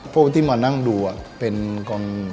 พวกที่มานั่งดูเป็นกอง